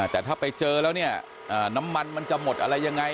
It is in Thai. แต่ถ้าไปเจอแล้วเนี่ยน้ำมันมันจะหมดอะไรยังไง